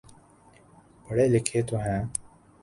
پڑھے لکھے تو ہیں۔